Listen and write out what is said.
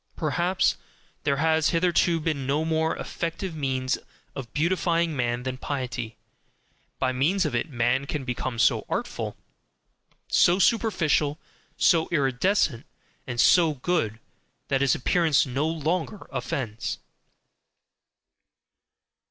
Perhaps there has hitherto been no more effective means of beautifying man than piety, by means of it man can become so artful, so superficial, so iridescent, and so good, that his appearance no longer offends.